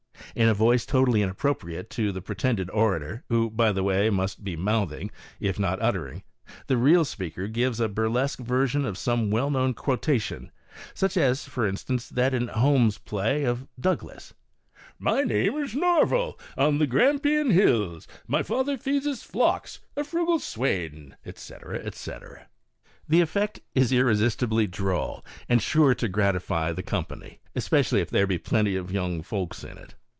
In a voice totally inappropriate to that of the pre tended orator — who, by the wa^, must be "mouthing," if not uttering — the real speaker gives a burlesque version of some well known quotation, such, as, for instance, that in Home's play of "Douglas:" " My name is Norval ! On the Grampian hills My father feeds his flocks, a frugal swain," etc. The effect is irresistibly droll and is sure to gratify the com pau , especially if there be plenty of young folks in it.